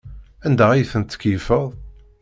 Anda ay ten-tkeyyfeḍ?